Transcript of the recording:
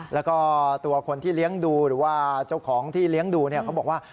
แล้วก็ตัวคนที่เลี้ยงดูหรือว่าเจ้าของที่เลี้ยงดูเขาบอกว่า